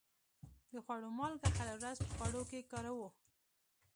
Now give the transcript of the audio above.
د خوړو مالګه هره ورځ په خوړو کې کاروو.